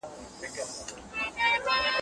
پښتونه غلی کېنه دا جنګ د پنجاب جنګ دی